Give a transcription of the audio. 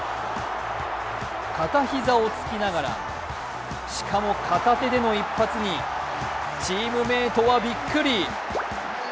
片膝をつきながらしかも片手での一発にチームメートはびっくり。